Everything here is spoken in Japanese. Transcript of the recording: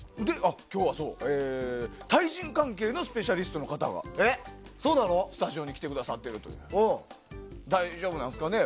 今日は対人関係のスペシャリストの方がスタジオに来てくださっているということで大丈夫なんですかね。